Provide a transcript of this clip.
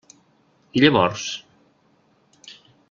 I llavors?